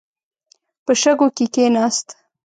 په شګو کې کښیناست.